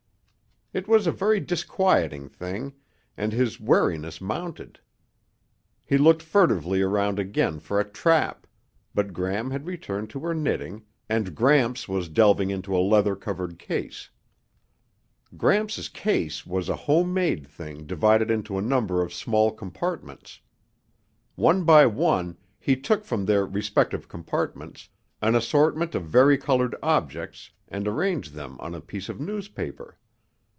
It was a very disquieting thing, and his wariness mounted. He looked furtively around again for a trap, but Gram had returned to her knitting and Gramps was delving into a leather covered case. Gramps' case was a homemade thing divided into a number of small compartments. One by one, he took from their respective compartments an assortment of varicolored objects and arranged them on a piece of newspaper.